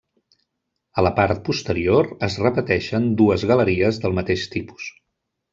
A la part posterior es repeteixen dues galeries del mateix tipus.